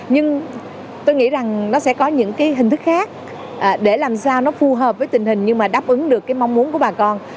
nhưng tôi nghĩ rằng nó sẽ có những cái hình thức khác để làm sao nó phù hợp với tình hình nhưng mà đáp ứng được cái mong muốn của bà con